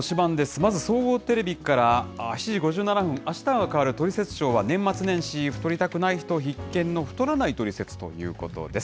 まず総合テレビから、７時５７分、あしたが変わるトリセツショーは、年末年始太りたくない人必見の太らないトリセツということです。